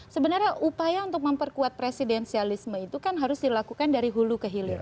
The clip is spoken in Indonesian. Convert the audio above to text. sebenarnya upaya untuk memperkuat presidensialisme itu kan harus dilakukan dari hulu ke hilir